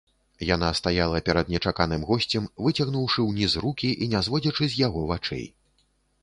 Яна стаяла перад нечаканым госцем, выцягнуўшы ўніз рукі і не зводзячы з яго вачэй.